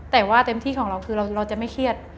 แต่ว่าเต็มที่ของเราคือเราจะไม่เครียด